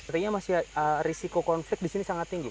artinya masih risiko konflik di sini sangat tinggi